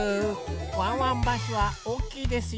ワンワンバスはおおきいですよ。